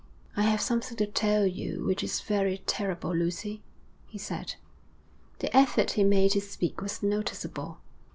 'I have something to tell you which is very terrible, Lucy,' he said. The effort he made to speak was noticeable.